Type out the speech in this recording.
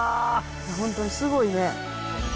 本当にすごいね。